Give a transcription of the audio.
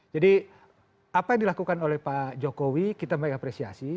jadi apa yang dilakukan oleh pak jokowi kita mengapresiasi